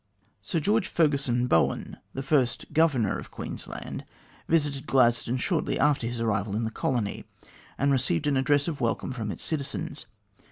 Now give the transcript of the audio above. Sir George Fergusson Bowen, the first Governor of Queens land, visited Gladstone shortly after his arrival in the colony, and received an address of welcome from its citizens.